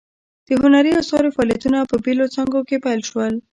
د هنري اثارو فعالیتونه په بیلو څانګو کې پیل شول.